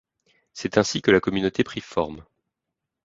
C'est ainsi que la communauté prit forme.